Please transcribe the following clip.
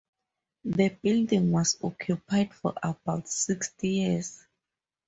The building was occupied for about sixty years.